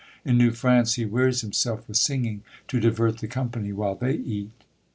In New France, he wearies himself with singing, to divert the company while they eat.